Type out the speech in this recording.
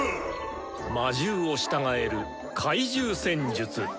魔獣を従える懐柔戦術！